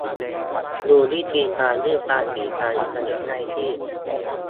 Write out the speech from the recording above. ดูวิธีการยื่นภาษีทางอินเทอร์เน็ตได้ที่